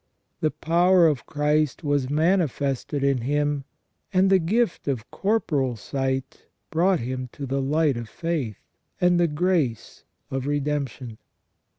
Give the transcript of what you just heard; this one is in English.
The power of Christ was manifested in him, and the gift of corporal sight brought him to the light of faith and the grace of redemption.